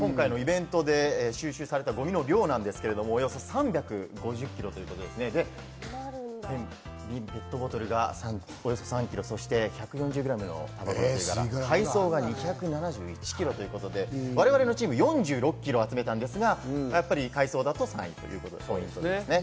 改めて今回のイベントでゴミの量なんですけれども、およそ３５０キロということで、カン、ビン、ペットボトルがおよそ３キロ、１４０グラムのたばこの吸い殻、海藻が２７１キロということで、我々のチームは４６キロ集めたんですが、海藻だと３位ということですね。